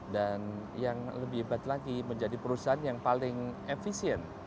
dan yang lebih hebat lagi menjadi perusahaan yang paling efisien